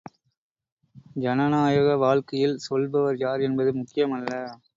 ஜனநாயக வாழ்க்கையில் சொல்பவர் யார் என்பது முக்கியமல்ல.